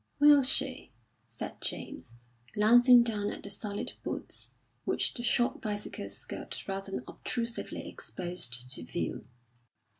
"Will she?" said James, glancing down at the solid boots, which the short bicycle skirt rather obtrusively exposed to view.